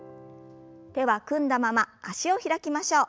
手は組んだまま脚を開きましょう。